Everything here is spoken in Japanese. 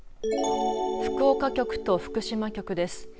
福岡局と福島局です。